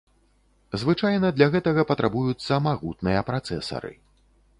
Звычайна для гэтага патрабуюцца магутныя працэсары.